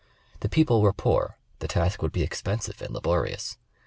The people were poor, the task would be expensive and laborious.